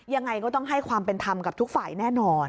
ยังไงก็ต้องให้ความเป็นธรรมกับทุกฝ่ายแน่นอน